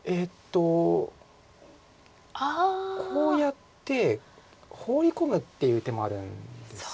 こうやってホウリ込むっていう手もあるんですよね。